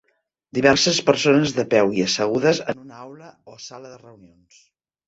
Diverses persones de peu i assegudes en una aula o sala de reunions